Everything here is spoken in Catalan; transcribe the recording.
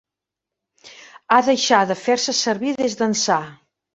Ha deixar te fer-se servir des d'ençà.